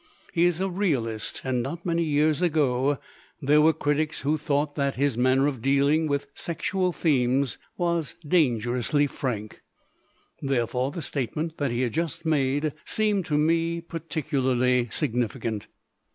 He is a realist, and not many years ago there were critics who thought that his manner of dealing with sexual themes was dangerously frank. Therefore, the statement that he had just made seemed to me particularly significant.